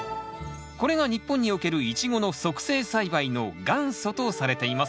これが日本におけるイチゴの促成栽培の元祖とされています。